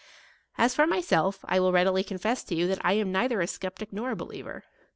As for myself, I will readily confess to you that I am neither a skeptick nor a believer.